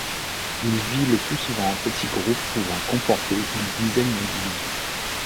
Il vit le plus souvent en petits groupes pouvant comporter une dizaine d'individus.